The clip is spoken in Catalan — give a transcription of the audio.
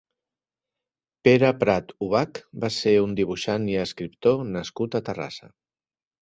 Pere Prat Ubach va ser un dibuixant i escriptor nascut a Terrassa.